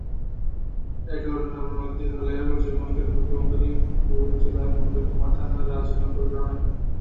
একই ঘটনার পুনরাবৃত্তি হলো পশ্চিমবঙ্গের পূর্ব মেদিনীপুর জেলার নন্দকুমার থানার রাজনগর গ্রামে।